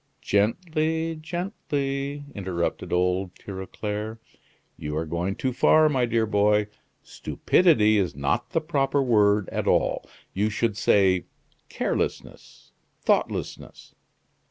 "Gently, gently!" interrupted old Tirauclair. "You are going too far, my dear boy. Stupidity is not the proper word at all; you should say carelessness, thoughtlessness.